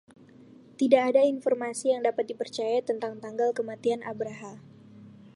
Tidak ada informasi yang dapat dipercaya tentang tanggal kematian 'Abraha'.